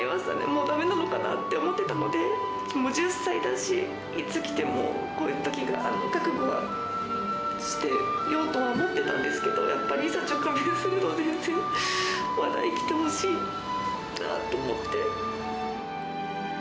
もうだめなのかなって思ってたので、もう１０歳だし、いつ来ても、こういう時が、覚悟はしてようとは思ってたんですけど、やっぱりいざ直面すると、まだ生きてほしいなと思って。